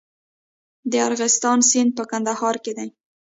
د ارغستان سیند په کندهار کې دی